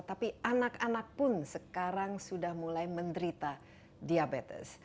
tapi anak anak pun sekarang sudah mulai menderita diabetes